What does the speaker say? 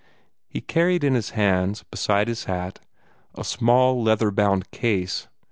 He carried in his hands, besides his hat, a small leather bound case.